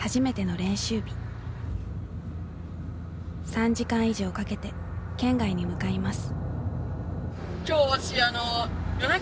３時間以上かけて県外に向かいます。